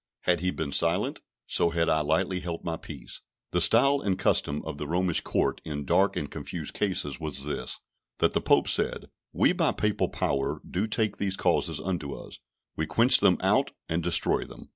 Had he been silent, so had I lightly held my peace. The style and custom of the Romish court in dark and confused cases, was this: that the Pope said, We by papal power do take these causes unto us; we quench them out and destroy them.